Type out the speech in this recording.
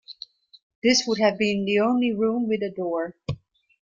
This would have been the only room with a door.